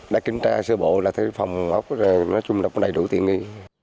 đã kiểm tra sơ bộ là thấy phòng góc rồi nói chung là cũng đầy đủ tiện nghi